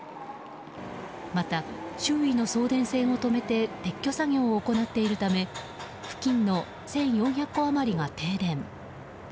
また、周囲の送電線を止めて撤去作業を行っているため付近の１４００戸余りが停電。